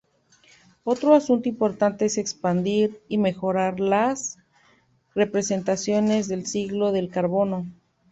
Otro asunto importante es expandir y mejorar las representaciones del ciclo del carbono.